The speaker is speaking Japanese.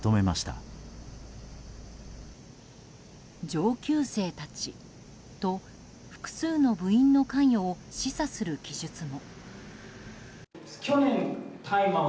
上級生たちと複数の部員の関与を示唆する記述も。